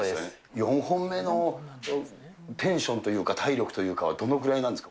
４本目のテンションというか、体力っていうかは、どのぐらいなんですか。